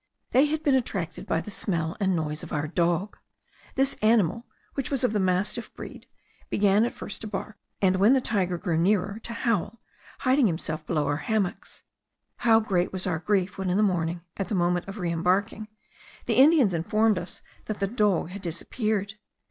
They had been attracted by the smell and noise of our dog. This animal (which was of the mastiff breed) began at first to bark; and when the tiger drew nearer, to howl, hiding himself below our hammocks. how great was our grief, when in the morning, at the moment of re embarking, the Indians informed us that the dog had disappeared!